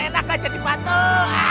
enak gak jadi patung